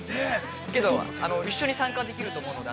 けど、一緒に参加できると思うので。